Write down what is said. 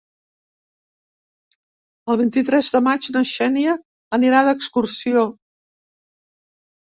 El vint-i-tres de maig na Xènia anirà d'excursió.